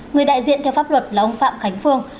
người đại diện theo pháp luật là ông phạm khánh phương